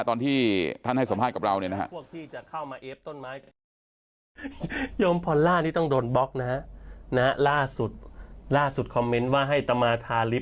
ตอนที่ท่านให้สัมภาษณ์กับเราเนี่ยนะฮะ